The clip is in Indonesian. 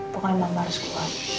tungguin mama harus kuat